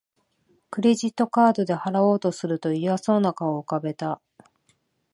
クレジットカードで払おうとすると嫌そうな顔を浮かべた